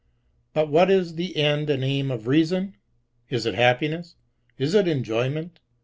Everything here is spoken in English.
But what is the end and aim of reason ? Is it happiness P Is it enjoyment?